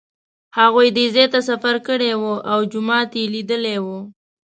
هغوی دې ځای ته سفر کړی و او جومات یې لیدلی و.